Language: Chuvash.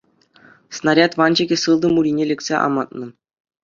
Снаряд ванчӑкӗ сылтӑм урине лексе амантнӑ.